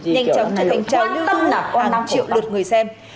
nhanh chóng để thành trạng lưu tư hàng triệu lượt người xem